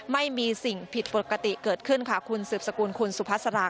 ไม่มีสิ่งผิดปกติเกิดขึ้นค่ะคุณสืบสกุลคุณสุภาษา